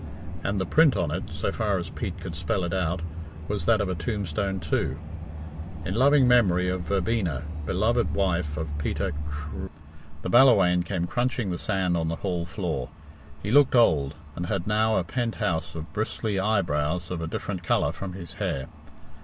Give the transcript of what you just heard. And the print on it, so far as Pete could spell it out, was that of a tombstone too, "In loving memory of Verbena, beloved wife of Peter Chr " The Ballawhaine came crunching the sand on the hall floor. He looked old, and had now a pent house of bristly eyebrows of a different colour from his hair.